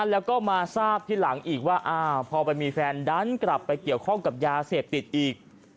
แล้วก็มาทราบที่หลังอีกว่าพอไปมีแฟนดันกลับไปเกี่ยวข้องกับยาเสพติดอีก